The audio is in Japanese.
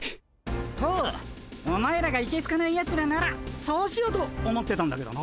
とお前らがいけすかないやつらならそうしようと思ってたんだけどな。